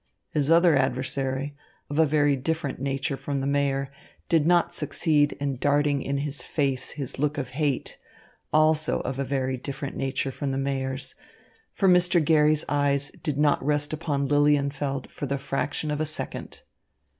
His other adversary, of a very different nature from the Mayor, did not succeed in darting in his face his look of hate, also of a very different nature from the Mayor's; for Mr. Garry's eyes did not rest upon Lilienfeld for the fraction of a second.